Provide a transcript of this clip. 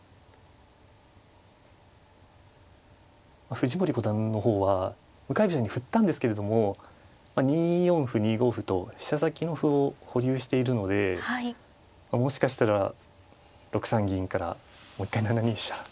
藤森五段の方は向かい飛車に振ったんですけれども２四歩２五歩と飛車先の歩を保留しているのでもしかしたら６三銀からもう一回７二飛車のような。